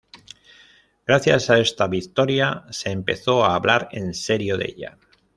Gracias a esta victoria se empezó a hablar en serio de ella.